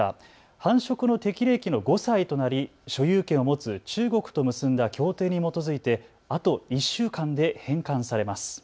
繁殖の適齢期の５歳となり所有権を持つ中国と結んだ協定に基づいてあと１週間で返還されます。